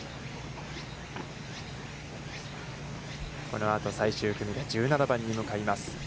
このあと最終組が１７番に向かいます。